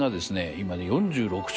今４６兆